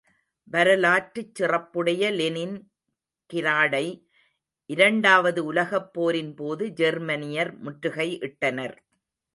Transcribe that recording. வரலாற்றுச் சிறப்புடைய லெனின்கிராடை இரண்டாவது உலகப்போரின் போது, ஜெர்மானியர் முற்றுகை இட்டனர்.